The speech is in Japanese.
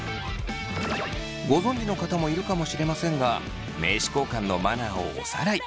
ご存じの方もいるかもしれませんが名刺交換のマナーをおさらい。